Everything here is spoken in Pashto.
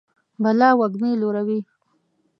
بلا وږمې لوروي